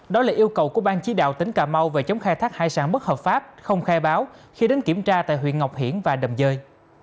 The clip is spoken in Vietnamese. đó là yêu cầu của bang chí đạo tỉnh cà mau về chống khai thác hải sản bất hợp pháp không khai báo khi đến kiểm tra tại huyện ngọc hiển và đầm dơi